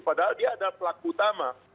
padahal dia adalah pelaku utama